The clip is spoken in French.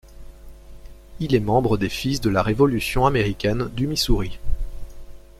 Il est membre des Fils de la Révolution américaine du Missouri.